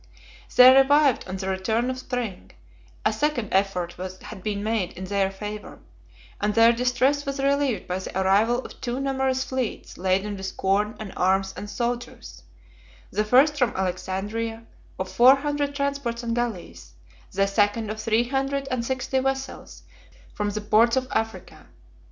They revived on the return of spring; a second effort had been made in their favor; and their distress was relieved by the arrival of two numerous fleets, laden with corn, and arms, and soldiers; the first from Alexandria, of four hundred transports and galleys; the second of three hundred and sixty vessels from the ports of Africa.